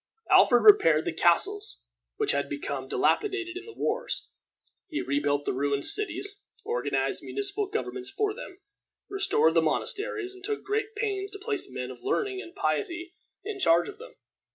Alfred repaired the castles which had become dilapidated in the wars; he rebuilt the ruined cities, organized municipal governments for them, restored the monasteries, and took great pains to place men of learning and piety in charge of them.